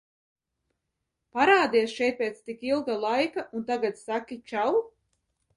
"Parādies šeit pēc tik ilga laika, un saki "čau"?"